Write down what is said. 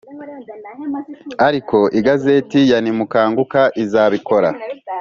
ariko igazeti ya Nimukanguke izabikora